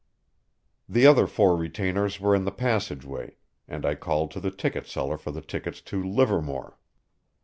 The other four retainers were in the passageway, and I called to the ticket seller for the tickets to Livermore.